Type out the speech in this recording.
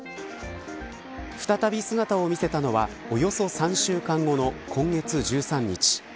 再び姿を見せたのはおよそ３週間後の今月１３日。